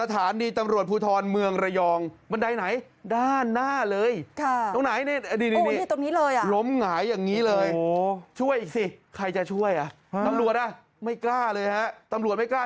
ตำรวจเล่นไม่กล้า